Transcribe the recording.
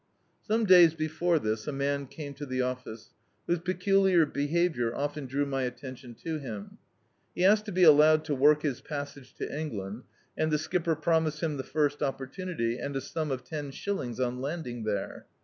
Some days before this, a man came to the office, whose peculiar behaviour often drew my attention to him. He asked to be allowed to work his passage to England, and the skipper promised him the first opportunity, and a sum of ten shillings on landing there.